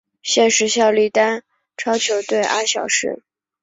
现时效力丹超球队阿晓士。